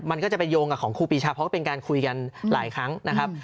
มันก็จะไปโยงกับของครูปีชาเพราะเป็นการคุยกันหลายครั้งนะครับ